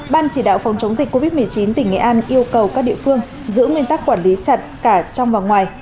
ban chỉ đạo phòng chống dịch covid một mươi chín tỉnh nghệ an yêu cầu các địa phương giữ nguyên tắc quản lý chặt cả trong và ngoài